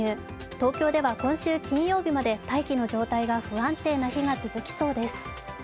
東京では今週金曜日まで大気の状態が不安定な日が続きそうです。